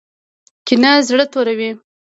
کینه زړه توروي